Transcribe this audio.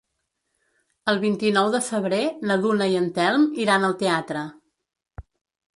El vint-i-nou de febrer na Duna i en Telm iran al teatre.